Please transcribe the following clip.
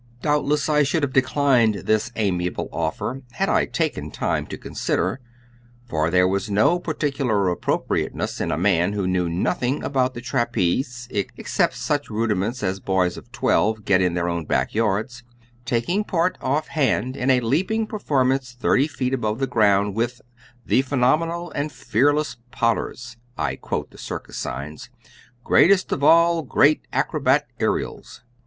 Doubtless, I should have declined this amiable offer had I taken time to consider, for there was no particular appropriateness in a man who knew nothing about the trapeze, except such rudiments as boys of twelve get in their own back yards, taking part offhand in a leaping performance thirty feet above ground with "the phenomenal and fearless Potters" I quote the circus signs "greatest of all great acrobatic aërials."